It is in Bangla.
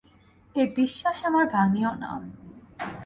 এ বিশ্বাস আমার ভাঙিয়ো না।